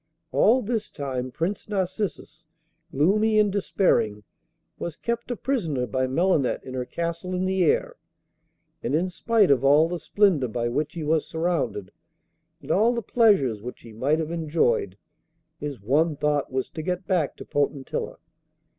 All this time Prince Narcissus, gloomy and despairing, was kept a prisoner by Melinette in her castle in the air, and in spite of all the splendour by which he was surrounded, and all the pleasures which he might have enjoyed, his one thought was to get back to Potentilla.